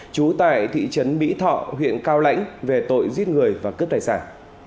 trú tại thị trấn mỹ thọ huyện cao lãnh về tội giết người và cướp tài sản